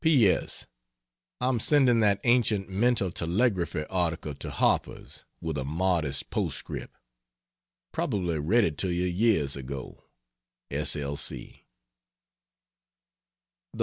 P. S. I'm sending that ancient "Mental Telegraphy" article to Harper's with a modest postscript. Probably read it to you years ago. S. L.